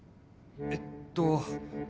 えっと。